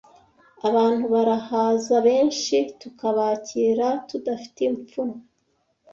abantu barahaza benshi tukabakira tudafite ipfunwe.